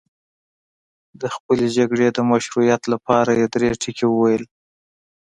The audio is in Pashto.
د خپلې جګړې د مشروعیت لپاره یې درې ټکي وویل.